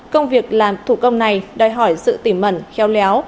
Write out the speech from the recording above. công việc làm thủ công này đòi hỏi sự tỉ mẩn khéo léo